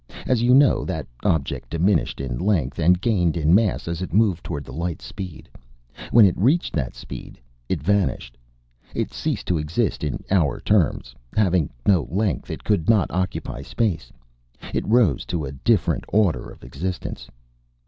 As you know, that object diminished in length and gained in mass as it moved toward light speed. When it reached that speed it vanished. It ceased to exist in our terms. Having no length it could not occupy space. It rose to a different order of existence.